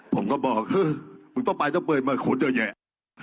ผมก็บอกมึงต้องไปต้องไปมาโขดเยอะแยะ